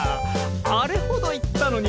あれ程言ったのに。